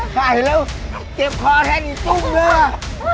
เจ็บขอแท่ไอ้ตุ้มเหรอ